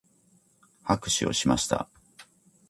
拍手をしました。